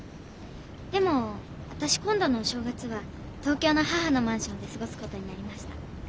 でも私今度のお正月は東京の母のマンションで過ごすことになりました。